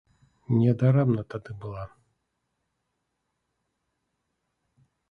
Не дарэмна тады была.